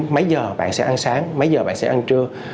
mấy giờ bạn sẽ ăn sáng mấy giờ bạn sẽ ăn trưa